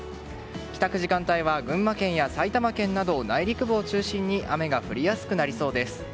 帰宅時間帯は群馬県や埼玉県など内陸部を中心に雨が降りやすくなりそうです。